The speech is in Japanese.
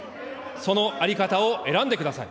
その在り方を選んでください。